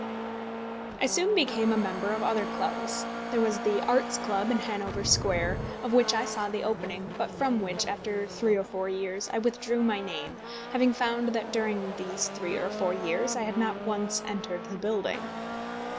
I soon became a member of other clubs. There was the Arts Club in Hanover Square, of which I saw the opening, but from which, after three or four years, I withdrew my name, having found that during these three or four years I had not once entered the building.